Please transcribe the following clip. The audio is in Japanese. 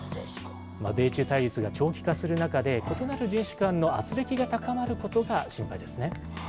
米中対立が長期化する中で、ここまで人種間のあつれきが高まることが心配ですね。